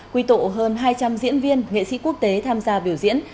quy tụ hơn hai trăm linh diễn viên nghệ sĩ quốc tế tham gia biểu diễn